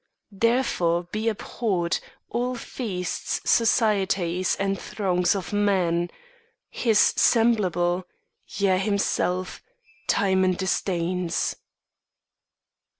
Therefore, be abhorred All feasts, societies, and throngs of men! His semblable, yea, himself, Timon disdains.